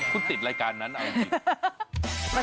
คุณติดรายการนั้นเอาจริง